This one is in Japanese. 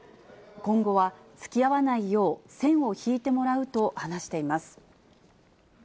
今後はつきあわないよう、線を引いてもらうと話しています。